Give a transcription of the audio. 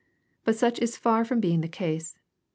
But such is far from being the case.